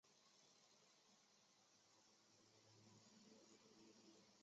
为保安宫与潮和宫两庙的合称。